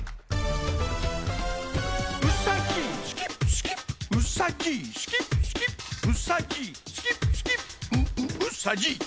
「うさじいスキップスキップうさじいスキップスキップ」「うさじいスキップスキップうううさじいワオ！」